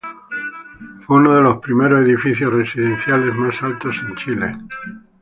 Fue uno de los primeros edificios residenciales más altos en Chile.